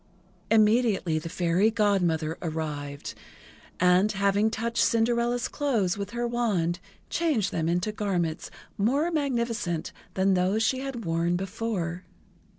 Immediately the Fairy Godmother arrived, and, having touched Cinderella's clothes with her wand, changed them into garments more magnificent than those she had worn before.